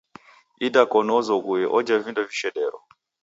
Idakoni wazoghue oja vindo vishedero.